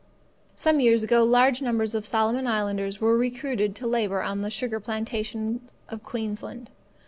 Some years ago large numbers of Solomon islanders were recruited to labour on the sugar plantations of Queensland.